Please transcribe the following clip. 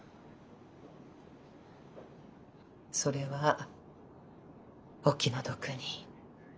それはお気の毒に。